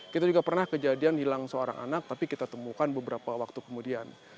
kita juga pernah kejadian hilang seorang anak tapi kita temukan beberapa waktu kemudian